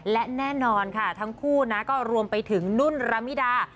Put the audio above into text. และแน่นอนค่ะทั้งคู่นะก็รวมไปถึงนุ่นรมิดา